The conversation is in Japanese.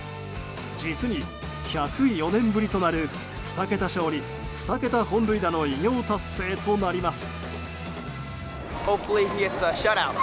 実に１０４年ぶりとなる２桁勝利２桁本塁打の偉業達成となります。